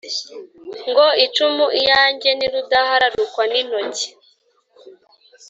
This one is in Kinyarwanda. Ngo icumu lyanjye ni rudahararukwa n'intoki